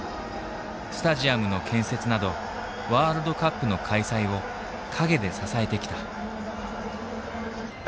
スタジアムの建設などワールドカップの開催を陰で支えてきた。